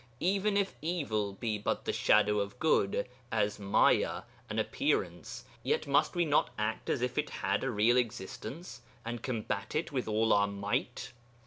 Even if evil be but the shadow of good, a M̬aya, an appearance, yet must we not act as if it had a real existence, and combat it with all our might?